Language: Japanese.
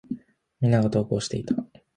皆が登校していた。